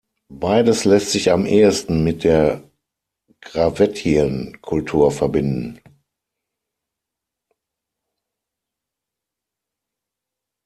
Beides lässt sich am ehesten mit der Gravettien-Kultur verbinden.